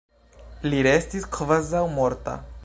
Li restis kvazaŭ morta.